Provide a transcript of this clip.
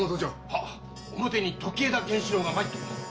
はっ表に時枝源史郎が参っております。